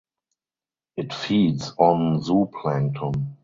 It feeds on zooplankton.